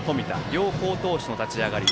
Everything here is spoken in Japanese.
両好投手の立ち上がり。